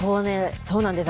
そうなんです。